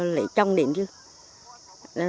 lấy chồng đến giờ